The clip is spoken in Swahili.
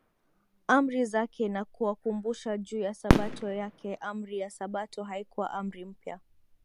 Amri zake na kuwakumbusha juu ya Sabato yake Amri ya Sabato haikuwa Amri mpya